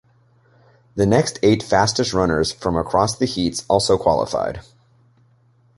The next eight fastest runners from across the heats also qualified.